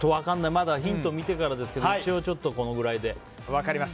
まだヒント見てからですけど一応このくらいで。